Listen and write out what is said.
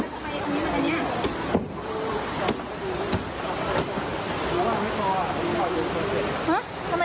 ห้ะทำไมตรงนี้มันหน่อยเดียวกัน